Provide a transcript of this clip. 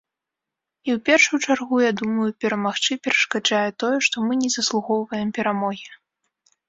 І ў першую чаргу, я думаю, перамагчы перашкаджае тое, што мы не заслугоўваем перамогі.